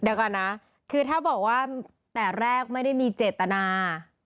เดี๋ยวก่อนนะคือถ้าบอกว่าแต่แรกไม่ได้มีเจตนา